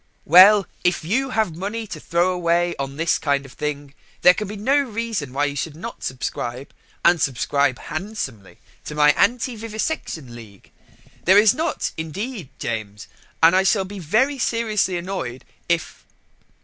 Well, if you have money to throw away on this kind of thing, there can be no reason why you should not subscribe and subscribe handsomely to my anti Vivisection League. There is not, indeed, James, and I shall be very seriously annoyed if